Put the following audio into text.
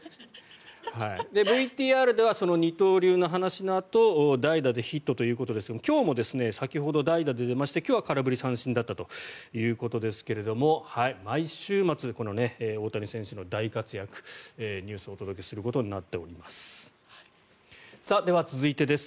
ＶＴＲでは二刀流の話のあと代打でヒットということですが今日も先ほど、代打で出まして今日は空振り三振だったということですが、毎週末大谷選手の大活躍ニュースでお届けすることになっております。